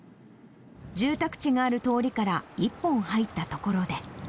住宅地がある通りから１本入った所で。